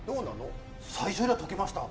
最初よりはとけました。